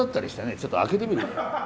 ちょっと開けてみる？